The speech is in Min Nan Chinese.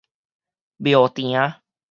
廟埕